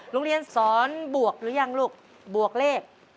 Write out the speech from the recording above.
โรงเรียนสอนบวกหรือยังลูกบวกเลข